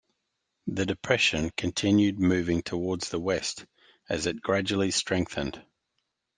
The depression continued moving towards the west as it gradually strengthened.